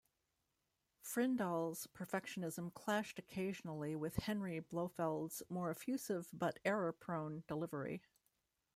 Frindall's perfectionism clashed occasionally with Henry Blofeld's more effusive - but error-prone - delivery.